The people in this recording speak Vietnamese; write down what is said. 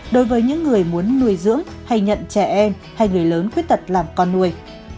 đối với những người muốn nuôi dưỡng hay nhận trẻ em hay người lớn khuyết tật làm con nuôi